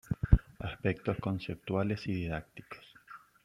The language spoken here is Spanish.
Aspectos conceptuales y didácticos.